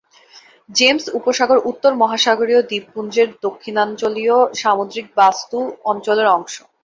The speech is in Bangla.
জেমস উপসাগর উত্তর মহাসাগরীয় দ্বীপপুঞ্জের দক্ষিণাঞ্চলীয় সামুদ্রিক বাস্তু অঞ্চলের অংশ।